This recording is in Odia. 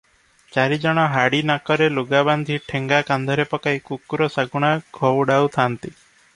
ଚାରିଜଣ ହାଡ଼ି ନାକରେ ଲୁଗା ବାନ୍ଧି ଠେଙ୍ଗା କାନ୍ଧରେ ପକାଇ କୁକୁର ଶାଗୁଣା ଘଉଡ଼ାଉଥାନ୍ତି ।